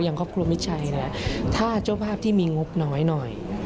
ยังครอบครัวมิดชัยเนี่ย